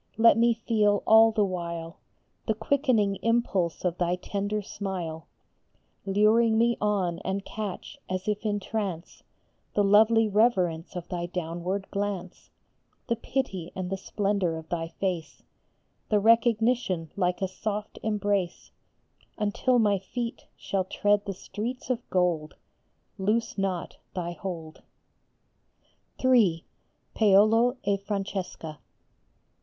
let me feel all the while The quickening impulse of thy tender smile Luring me on, and catch, as if in trance, The lovely reverence of thy downward glance, The pity and the splendor of thy face, The recognition like a soft embrace : Until my feet shall tread the streets of gold, Loose not thy hold ! III. PAOLO E FRANCESCA.